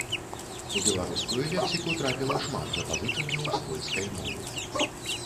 У беларускую лексіку трапіла шмат запазычанняў з польскай мовы.